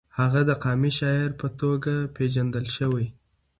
هغه د قامي شاعر په توګه پېژندل شوی.